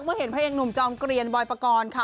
เมื่อเห็นพระเองหนุ่มจอมเกรียญบอยปากรค่ะ